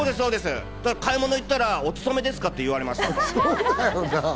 買い物に行ったら、お勤めですか？って言われましたもん。